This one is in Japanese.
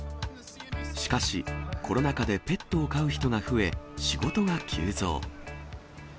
しかし、コロナ禍でペットを飼う人が増え、仕事が急増。